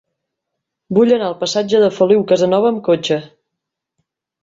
Vull anar al passatge de Feliu Casanova amb cotxe.